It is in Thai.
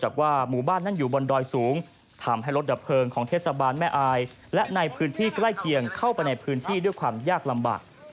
ใกล้เคียงเข้าไปในพื้นที่ด้วยความยากลำบาก